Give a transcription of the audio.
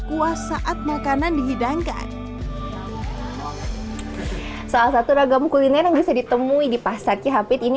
kuah saat makanan dihidangkan salah satu ragam kuliner yang bisa ditemui di pasar cihapit ini